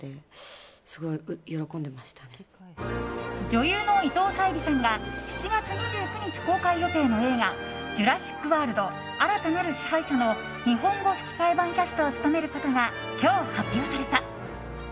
女優の伊藤沙莉さんが７月２９日公開予定の映画「ジュラシック・ワールド／新たなる支配者」の日本語吹き替え版キャストを務めることが今日、発表された。